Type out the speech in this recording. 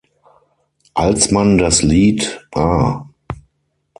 Als man das Lied "„Ah!